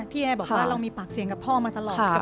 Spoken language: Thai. ไอบอกว่าเรามีปากเสียงกับพ่อมาตลอด